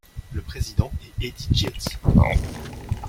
Le président est Eddy Zdziech.